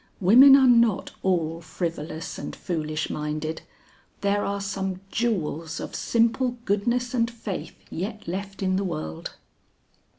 Women are not all frivolous and foolish minded; there are some jewels of simple goodness and faith yet left in the world."